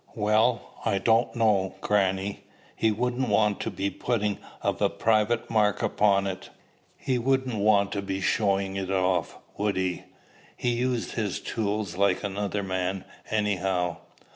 "Well, I don't know, grannie. He wouldn't want to be putting of a private mark upon it. He wouldn't want to be showing of it off would he? He'd use his tools like another man, anyhow."